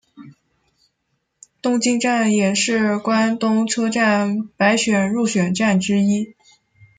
东京站也是关东车站百选入选站之一。